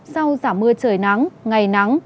sau giảm mưa trời nắng ngày nắng